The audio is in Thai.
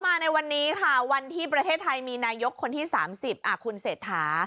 มาในวันนี้นะคะวันพรรษไทยมีนายกคนที่๓๐คุณเศรษฐา